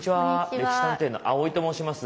「歴史探偵」の青井と申します。